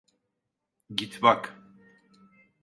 Git bak.